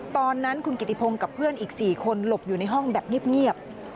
ตอนนั้นคุณกิติพงศ์กับเพื่อนอีก๔คนหลบอยู่ในห้องแบบเงียบ